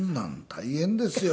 大変ですよ。